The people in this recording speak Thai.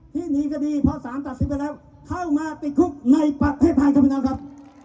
ที่หนีคดีพอสารตัดสินไปแล้วเข้ามาติดคุกในประเทศไทยท่านประธานครับ